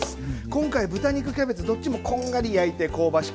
今回豚肉キャベツどっちもこんがり焼いて香ばしく